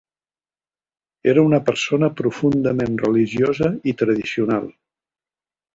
Era una persona profundament religiosa i tradicional.